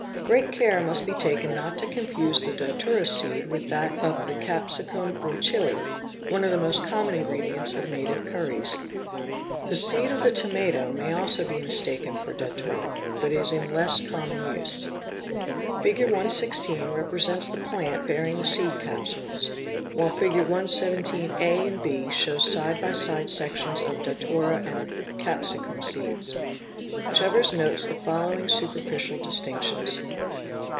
Great care must be taken not to confuse the datwra seed with that of the Capsicum or Chili, one of the most common ingredients of native curries. The seed of the tomato may also be mistaken for datura but is : in less common. use. Fig. 116 represents the plant bearing the seed | capsules, while Fig. 117 a and b show side by side sections of datura and — capsicum seeds. Chevers notes the following superficial distinctions.